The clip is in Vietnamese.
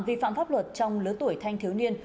vi phạm pháp luật trong lứa tuổi thanh thiếu niên